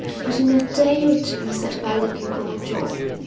But in a day or two he set about looking for a job.